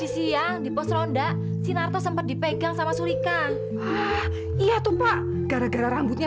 sampai jumpa di video selanjutnya